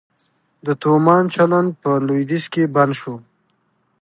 د تومان چلند په لویدیځ کې بند شو؟